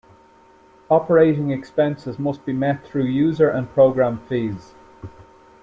Operating expenses must be met through user and program fees.